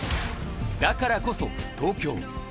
だからこそ、東京。